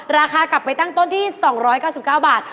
ราคากลับไปตั้งต้นที่๒๙๙บาท